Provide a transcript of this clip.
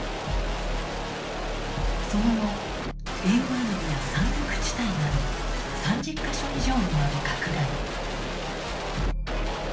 その後沿岸部や山岳地帯など３０か所以上にまで拡大。